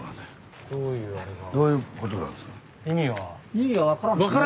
どういうことなんですか？